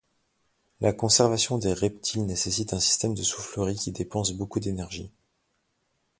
La conservation des reptiles nécessite un système de soufflerie qui dépense beaucoup d'énergie.